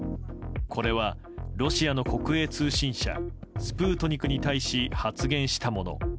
これは、ロシアの国営通信社スプートニクに対し発言したもの。